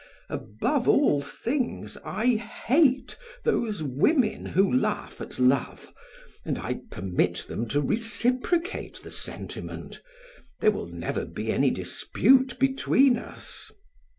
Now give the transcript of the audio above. Above all things I hate those women who laugh at love and I permit them to reciprocate the sentiment; there will never be any dispute between us.